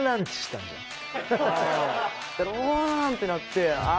うわーってなってああ